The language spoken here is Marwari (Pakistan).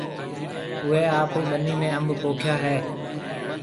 اوَي آپرِي ٻنِي ۾ انڀ پوکيا هيَ؟